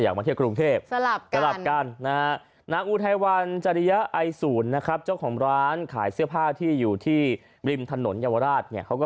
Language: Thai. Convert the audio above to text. อยากมาร่วมงานแล้วก็